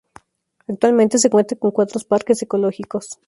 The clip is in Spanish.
Actualmente se cuenta con cuatro parques ecológicos.